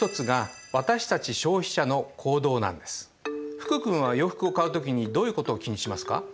福君は洋服を買う時にどういうことを気にしますか？